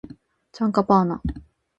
チャンカパーナ